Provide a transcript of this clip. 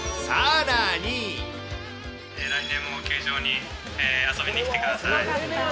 来年も球場に遊びに来てくだ